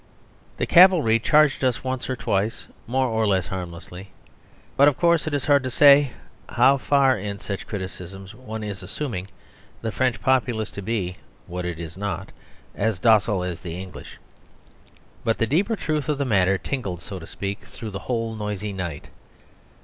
The cavalry charged us once or twice, more or less harmlessly. But, of course, it is hard to say how far in such criticisms one is assuming the French populace to be (what it is not) as docile as the English. But the deeper truth of the matter tingled, so to speak, through the whole noisy night.